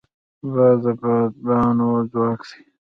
باد د بادبانو ځواک دی